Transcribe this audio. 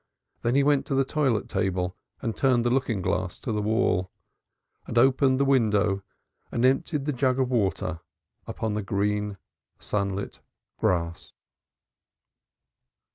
Then he went to the toilet table and turned the looking glass to the wall, and opened the window and emptied the jug of water upon the green sunlit grass.